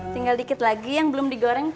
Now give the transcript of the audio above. tinggal dikit lagi yang belum digoreng